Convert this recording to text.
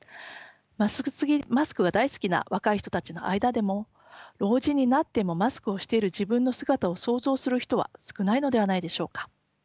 マスクが大好きな若い人たちの間でも老人になってもマスクをしている自分の姿を想像する人は少ないのではないでしょうか。